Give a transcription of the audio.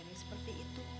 bukan rere seperti itu